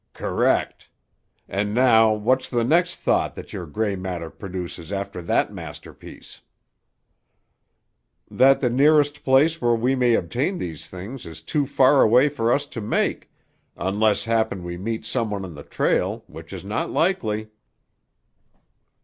"Correct. And now what's the next thought that your grey matter produces after that masterpiece?" "That the nearest place where we may obtain these things is too far away for us to make, unless happen we meet some one on the trail, which is not likely."